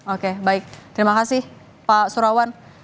oke baik terima kasih pak surawan